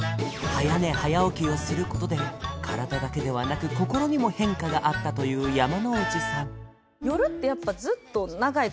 早寝早起きをすることで体だけではなく心にも変化があったという山之内さん